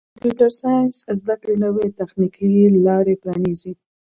د کمپیوټر ساینس زدهکړه نوې تخنیکي لارې پرانیزي.